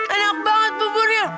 enak banget buburnya